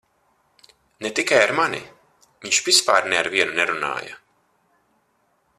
Ne tikai ar mani - viņš vispār ne ar vienu nerunāja.